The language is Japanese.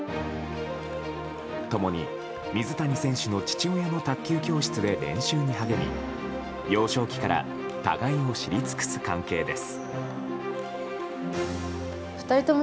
共に水谷選手の父親の卓球教室で練習に励み、幼少期から互いを知り尽くす関係です。